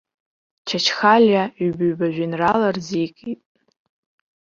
Чачхалиа ҩба-ҩба жәеинраала рзикит.